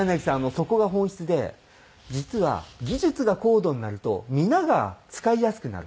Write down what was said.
そこが本質で実は技術が高度になると皆が使いやすくなる。